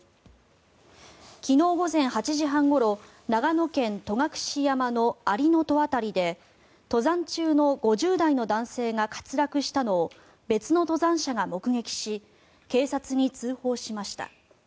昨日午前８時半ごろ長野県・戸隠山の蟻の塔渡りで登山中の５０代の男性が滑落したのを別の登山者が目撃し警察に通報しました。